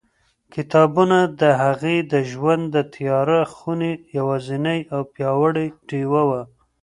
کتابونه د هغې د ژوند د تیاره خونې یوازینۍ او پیاوړې ډېوه وه.